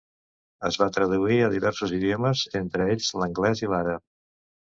Es va traduir a diversos idiomes, entre ells l'anglès i l'àrab.